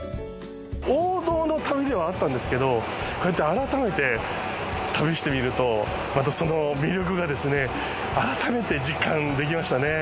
王道の旅ではあったんですけどこうやって改めて旅してみるとまたその魅力がですね改めて実感できましたね。